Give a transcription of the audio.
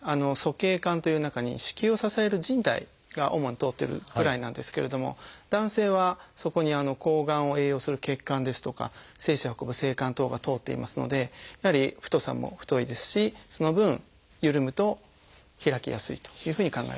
鼠径管という中に子宮を支えるじん帯が主に通ってるぐらいなんですけれども男性はそこに睾丸を栄養する血管ですとか精子を運ぶ精管等が通っていますのでやはり太さも太いですしその分ゆるむと開きやすいというふうに考えられてます。